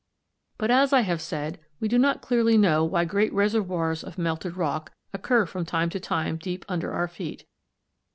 But, as I have said, we do not clearly know why great reservoirs of melted rock occur from time to time deep under our feet.